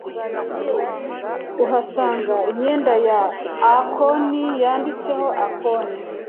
uhasanga imyenda ya Akon yanditseho Akon